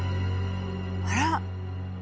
あら。